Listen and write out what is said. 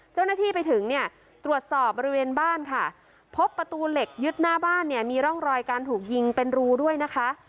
เจ้าหน้าที่ไปถึงเนี่ยตรวจสอบบริเวณบ้านค่ะพบประตูเหล็กยึดหน้าบ้านเนี่ยมีร่องรอยการถูกยิงเป็นรูด้วยนะคะ